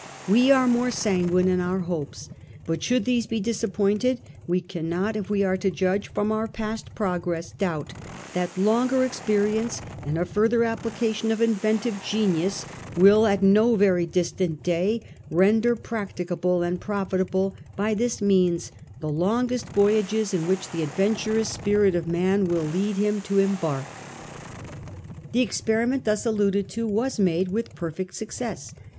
We are more sanguine in our hopes ; but should these be disappointed, we cannot, if we are to judge from our past progress, doubt that longer experience, and a further application of inventive genius will at no very distant day render practicable and profitable by this means the longest voyages in which the adventurous spirit of man will lead him to 1838. STEAM ON THE ATLANTIC. 87 embark.' The experiment thus alluded to was made with perfect success.